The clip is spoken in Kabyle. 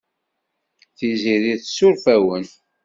Tiziri tessuref-awen.